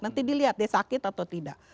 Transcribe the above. nanti dilihat dia sakit atau tidak